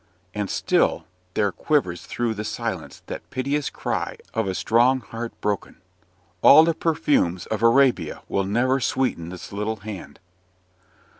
And still there quivers through the silence that piteous cry of a strong heart broken "ALL THE PERFUMES OF ARABIA WILL NEVER SWEETEN THIS LITTLE HAND!"